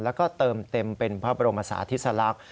แล้วก็เติมเต็มเป็นพระบรมศาธิสลักษณ์